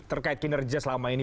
terkait kinerja selama ini